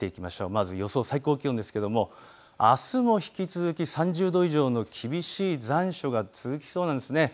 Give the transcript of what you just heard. まず予想最高気温ですがあすも引き続き３０度以上の厳しい残暑が続きそうです。